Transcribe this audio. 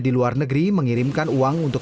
di luar negeri mengirimkan uang untuk